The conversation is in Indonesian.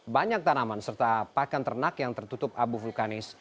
banyak tanaman serta pakan ternak yang tertutup abu vulkanis